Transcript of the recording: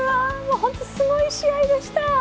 ホントすごい試合でした。